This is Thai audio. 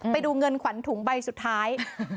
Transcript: ไปดูเงินขวัญถุงใบสุดท้าย